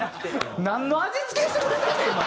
なんの味付けしてくれてんねん！